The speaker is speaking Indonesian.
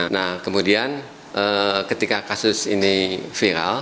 nah kemudian ketika kasus ini viral